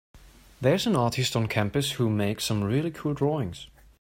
There’s an artist on campus who makes some really cool drawings.